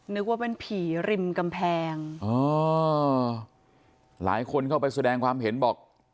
นึกว่าเป็นผีริมกำแพงอ๋อหลายคนเข้าไปแสดงความเห็นบอก